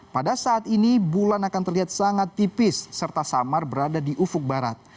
pada saat ini bulan akan terlihat sangat tipis serta samar berada di ufuk barat